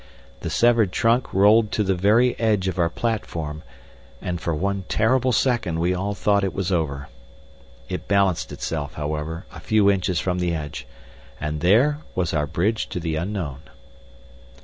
The severed trunk rolled to the very edge of our platform, and for one terrible second we all thought it was over. It balanced itself, however, a few inches from the edge, and there was our bridge to the unknown.